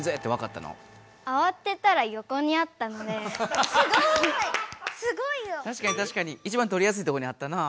たしかにたしかに一番取りやすいとこにあったなあ。